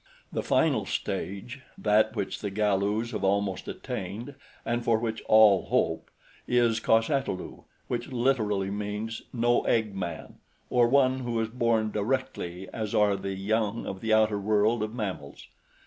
The final stage that which the Galus have almost attained and for which all hope is cos ata lu, which literally, means no egg man, or one who is born directly as are the young of the outer world of mammals.